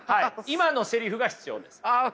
今のセリフが必要です。